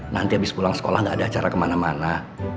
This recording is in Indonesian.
nanti abis pulang sekolah gak ada acara kemana mana